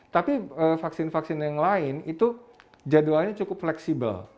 tapi vaksin vaksin yang lain itu jadwalnya cukup fleksibel